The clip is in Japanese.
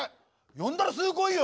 呼んだらすぐ来いよ！